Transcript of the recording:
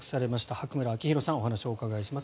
白村明弘さんにお話をお伺いします。